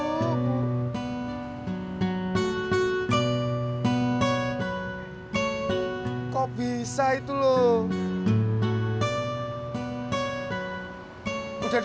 apa kata kamu masa kan sudah mau viktig vaan